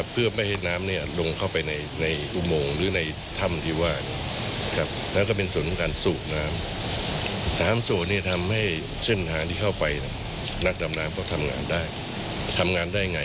เพราะฉะนั้น